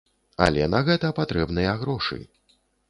Але на гэта патрэбныя грошы.